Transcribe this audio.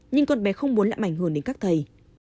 nhưng con bé không muốn lại mảnh hưởng đến các thầy